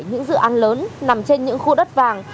những dự án lớn nằm trên những khu đất vàng